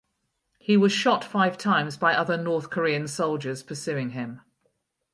He was shot five times by other North Korean soldiers pursuing him.